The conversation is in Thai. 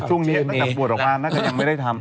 แต่ช่วงนี้นางบวชออกมานางก็ยังไม่ได้ทำ